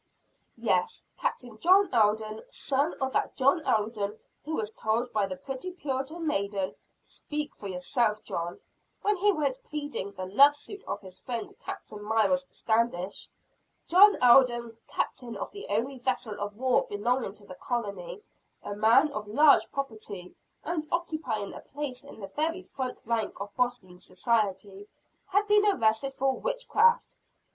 Yes, Captain John Alden, son of that John Alden who was told by the pretty Puritan maiden, "Speak for yourself John," when he went pleading the love suit of his friend Captain Miles Standish; John Alden, captain of the only vessel of war belonging to the colony, a man of large property, and occupying a place in the very front rank of Boston society, had been arrested for witchcraft!